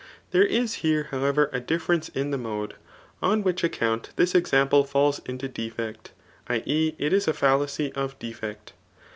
There is here however a difference in the mode; on which account this example falls into defect, [i. e. it is a fallacy of defect.